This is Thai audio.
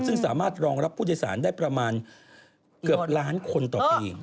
ซึ่งสามารถรองรับผู้โดยสารได้ประมาณเกือบล้านคนต่อปี